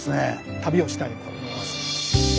旅をしたいと思います。